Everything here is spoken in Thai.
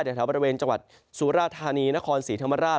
แถวบริเวณจังหวัดสุราธานีนครศรีธรรมราช